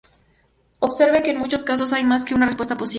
Observe que en muchos casos hay más de una respuesta posible.